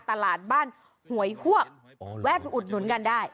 ตลาดบ้านหวยฮวกแวะไปอุดหนุนกันได้